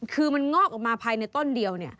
คือมันงอกออกมาภายในต้นเดียว